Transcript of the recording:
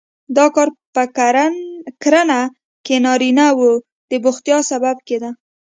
دا کار په کرنه کې نارینه وو د بوختیا سبب کېده.